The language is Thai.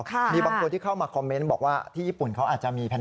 มีบางคนที่เข้ามาคอมเมนต์บอกว่าที่ญี่ปุ่นเขาอาจจะมีแผน